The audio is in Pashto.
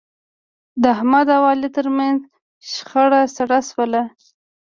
د احمد او علي ترمنځ شخړه سړه شوله.